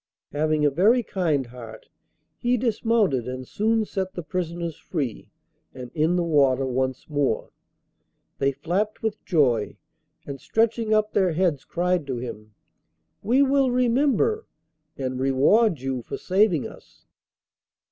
Having a very kind heart he dismounted and soon set the prisoners free, and in the water once more. They flapped with joy, and stretching up their heads cried to him: 'We will remember, and reward you for saving us.